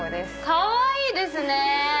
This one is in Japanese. かわいいですね！